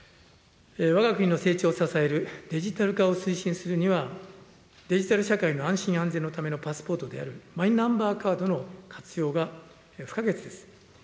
わが国の成長を支えるデジタル化を推進するには、デジタル社会の安心安全のためのパスポートであるマイナンバーカードの活用が不可欠です。